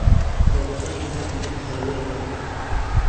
دەوڵەتان بۆیان ھەیە سەروەر بن